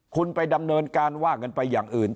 คุณไปดำเนินการว่ากันไปอย่างอื่น